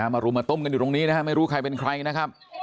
มารุมมาตุ้มกันอยู่ตรงนี้นะฮะไม่รู้ใครเป็นใครนะครับ